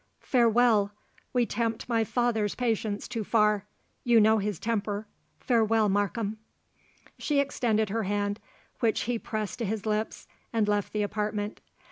—Farewell! we tempt my father's patience too far—you know his temper—farewell, Markham." She extended her hand, which he pressed to his lips, and left the apartment.